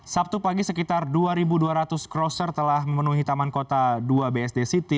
sabtu pagi sekitar dua dua ratus crosser telah memenuhi taman kota dua bsd city